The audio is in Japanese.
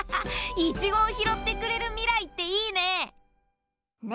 いちごをひろってくれるみらいっていいね！ね？